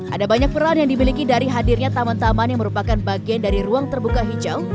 ada banyak peran yang dimiliki dari hadirnya taman taman yang merupakan bagian dari ruang terbuka hijau